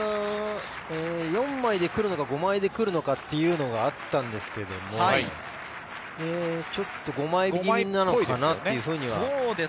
４枚でくるのか、５枚でくるのかというのがあったんですけど、ちょっと５枚気味なのかなというふうには。